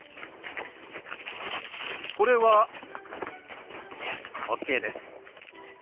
これはＯＫです。